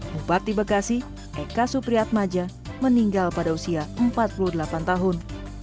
bupati bekasi eka supriyat maja meninggal pada usia empat puluh delapan tahun